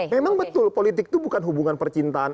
memang betul politik itu bukan hubungan percintaan